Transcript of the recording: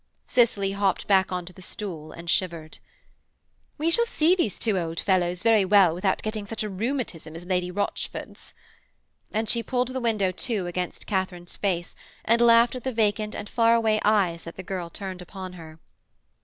Cicely hopped back on to the stool and shivered. 'We shall see these two old fellows very well without getting such a rheumatism as Lady Rochford's,' and she pulled the window to against Katharine's face and laughed at the vacant and far away eyes that the girl turned upon her.